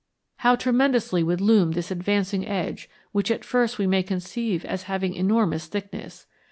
How tremendously would loom this advancing edge, which at first we may conceive as having enormous thickness!